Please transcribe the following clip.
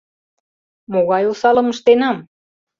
Могай осалым ыштенам?